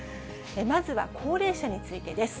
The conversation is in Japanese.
まずは高齢者についてです。